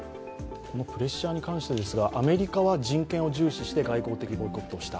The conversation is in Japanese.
プレッシャーに関してですが、アメリカは人権を重視して外交的ボイコットをした。